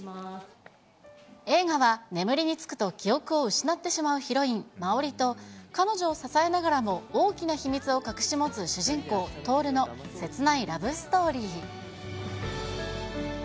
映画は、眠りにつくと記憶を失ってしまうヒロイン、真織と、彼女を支えながらも、大きな秘密を隠し持つ主人公、誰ですか？